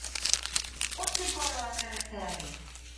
Utzi porroak erretzeari.